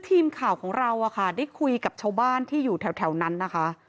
ทีมข่าวของเราได้คุยกับชาวบ้านที่อยู่แถวนั้นนะคะ